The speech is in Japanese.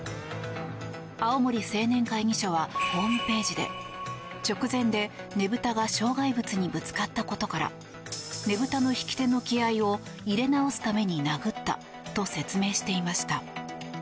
青森青年会議所はホームページで直前でねぶたが障害物にぶつかったことからねぶたの引き手の気合を入れ直すために殴ったと説明していました。